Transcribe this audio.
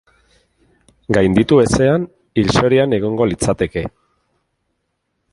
Gainditu ezean, hilzorian egongo litzateke.